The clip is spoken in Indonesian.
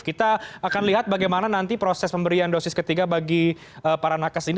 kita akan lihat bagaimana nanti proses pemberian dosis ketiga bagi para nakas ini